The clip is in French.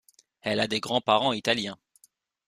Elle a des grands-parents italiens.